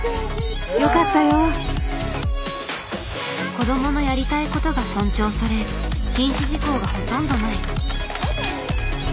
「子どものやりたいこと」が尊重され禁止事項がほとんどない。